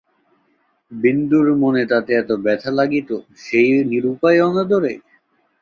বিন্দুর মনে তাতে এত ব্যথা লাগিত সেই নিরুপায় অনাদরে?